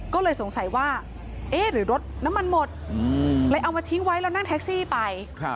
ก็เลยสงสัยว่าเอ๊ะหรือรถน้ำมันหมดเลยเอามาทิ้งไว้แล้วนั่งแท็กซี่ไป